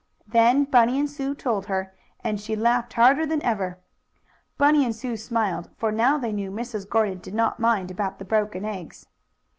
Then Bunny and Sue told her, and she laughed harder than ever. Bunny and Sue smiled, for now they knew Mrs. Gordon did not mind about the broken eggs.